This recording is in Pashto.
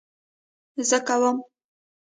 زه کوم